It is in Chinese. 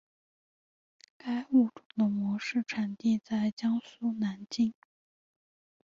该物种的模式产地在江苏南京。